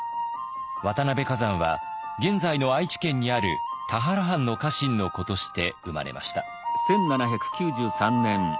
渡辺崋山は現在の愛知県にある田原藩の家臣の子として生まれました。